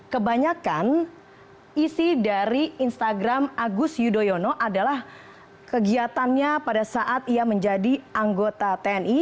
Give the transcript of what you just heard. kebanyakan isi dari instagram agus yudhoyono adalah kegiatannya pada saat ia menjadi anggota tni